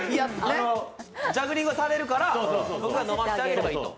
ジャグリングをされるから僕が飲ませてあげればいいと。